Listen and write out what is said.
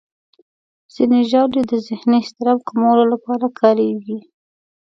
ځینې ژاولې د ذهني اضطراب کمولو لپاره کارېږي.